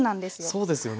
そうですよね。